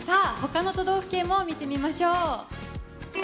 ほかの都道府県も見てみましょう。